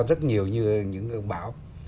rất nhiều như những bão